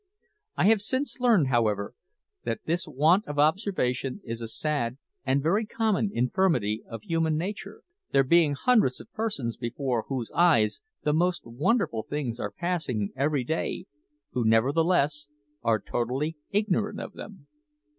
I have since learned, however, that this want of observation is a sad and very common infirmity of human nature, there being hundreds of persons before whose eyes the most wonderful things are passing every day who nevertheless, are totally ignorant of them.